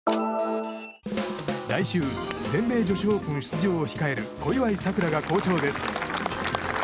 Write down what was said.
来週、全米女子オープン出場を控える小祝さくらが好調です。